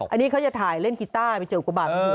อันนี้เขาจะถ่ายเล่นกีต้าไปเจอกุบาท